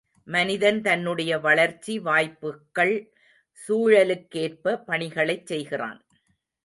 மனிதன் தன்னுடைய வளர்ச்சி, வாய்ப்புக்கள், சூழலுக்கேற்ப பணிகளைச் செய்கிறான்.